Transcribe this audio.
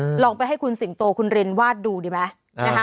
มาลองไปให้ครูสิงโตขุนเรนเงินวาดดูได้ไหม